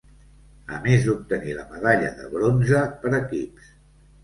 A més d'obtenir la medalla de bronze per equips.